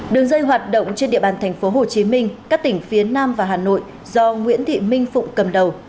đường dây hoạt động trên địa bàn thành phố hồ chí minh các tỉnh phía nam và hà nội do nguyễn thị minh phụng cầm đầu